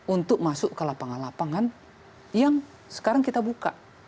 untuk masuk ke lapangan lapangan yang sekarang kita buka